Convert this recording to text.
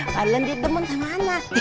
padahal dia demen sama ana